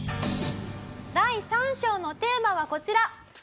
第三章のテーマはこちら。